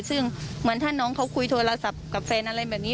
ซึ่งเหมือนถ้าน้องเขาคุยโทรศัพท์กับแฟนอะไรแบบนี้